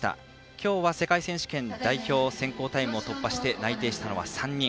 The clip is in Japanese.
今日は世界選手権代表選考タイムを突破して内定したのは３人。